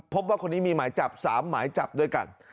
พบว่าคนนี้มีหมายจับ๓หมายจับด้วยกัน